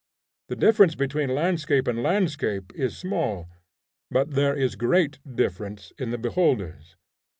The difference between landscape and landscape is small, but there is great difference in the beholders.